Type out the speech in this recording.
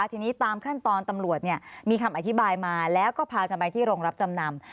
ทีนี้ตามขั้นตอนตำรวจมีคำอธิบายมาแล้วก็พากันไปที่โรงรับจำนำ